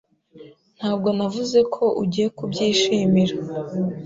Ntabwo navuze ko ugiye kubyishimira.